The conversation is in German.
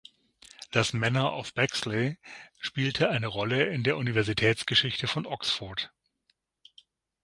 Das manor of Bexley spielte eine Rolle in der Universitätsgeschichte von Oxford.